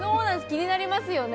気になりますよね